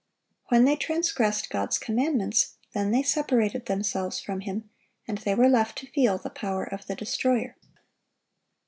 When they transgressed God's commandments, then they separated themselves from Him, and they were left to feel the power of the destroyer.